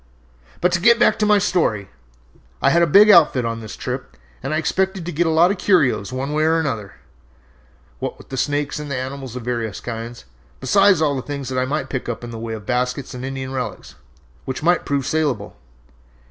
"But to get back to my story. I had a big outfit on this trip and I expected to get a lot of curios one way and another, what with snakes and animals of various kinds, besides all the things that I might pick up in the way of baskets and Indian relics, which might prove salable.